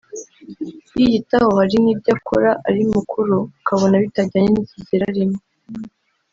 yiyitaho hari n’ibyo akora ari mukuru ukabona bitajyanye n’ikigero arimo